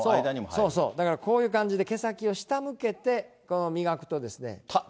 そうそう、だからこういう感じで毛先を下向けて、磨くと。